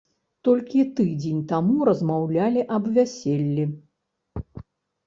Толькі тыдзень таму размаўлялі аб вяселлі!